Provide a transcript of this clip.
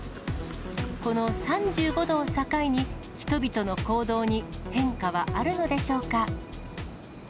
この３５度を境に、人々の行動に変化はあるのでしょうか。